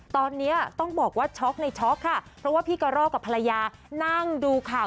ตอนนี้ต้องบอกว่าช็อกในช็อกค่ะเพราะว่าพี่กะรอกกับภรรยานั่งดูข่าว